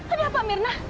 ada apa mirna